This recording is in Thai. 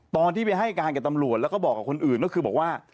ตอนที่ไปให้การกับตำรวจแล้วก็บอกกับคนอื่นก็คือบอกว่า